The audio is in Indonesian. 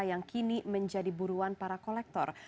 yang kini menjadi buruan para kolektor